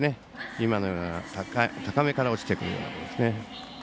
今のような高めから落ちてくるボールですね。